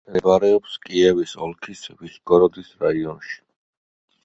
მდებარეობს კიევის ოლქის ვიშგოროდის რაიონში.